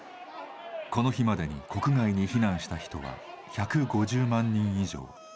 この日までに国外に避難した人は１５０万人以上。